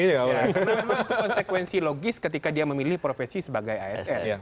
itu konsekuensi logis ketika dia memilih profesi sebagai asn